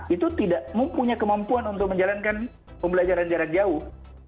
itu tidak mempunyai kemampuan untuk menjalankan pembelajaran jarak jauh